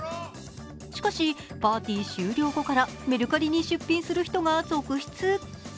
しかし、パーティー終了後からメルカリで出品する人が続出。